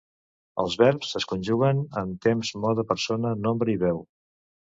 Els verbs es conjuguen en temps, mode, persona, nombre i veu.